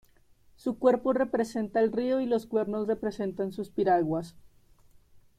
Su cuerpo representa el río y los cuernos representan sus piraguas.